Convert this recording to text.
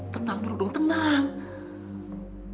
tenang dulu dong tenang